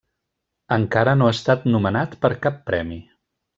Encara no ha estat anomenat per a cap Premi.